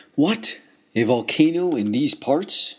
What! A volcano in these parts?